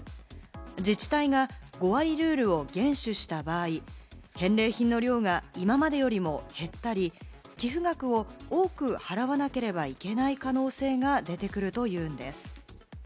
自治体が５割ルールを厳守した場合、返礼品の量が今までよりも減ったり、寄付額を多く払わなければいけない可能性が出てくるというのです。